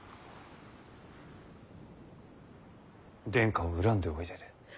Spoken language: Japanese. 殿下を恨んでおいでで？